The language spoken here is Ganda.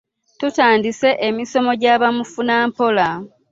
Tutandise emisomo gya bamufunampola.